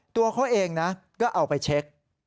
ตัวเขาเองนะก็เอาไปเช็ค